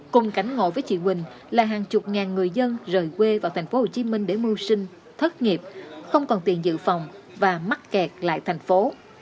cùng cánh ngộ với chị quỳnh là hàng chục ngàn người dân rời quê vào thành phố hồ chí minh để mưu sinh thất nghiệp không còn tiền giữ phòng và mắc kẹt lại thành phố